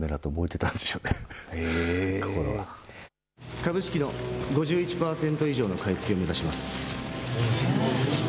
株式の５１％以上の買い付けを目指します。